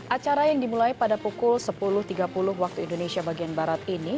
acara yang dimulai pada pukul sepuluh tiga puluh waktu indonesia bagian barat ini